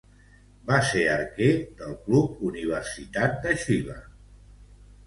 Va ser arquer del club Universidad de Chile.